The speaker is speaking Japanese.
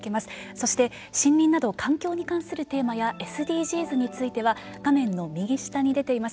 そして、森林など環境に関するテーマやＳＤＧｓについては画面の右下に出ています